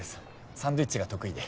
サンドイッチが得意で。